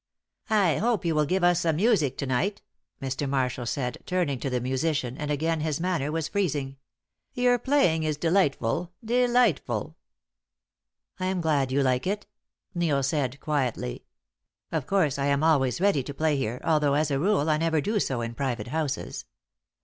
"I hope you will give us some music to night," Mr. Marshall said, turning to the musician, and again his manner was freezing. "Your playing is delightful delightful!" "I am glad you like it," Neil said, quietly. "Of course, I am always ready to play here, although, as a rule, I never do so in private houses."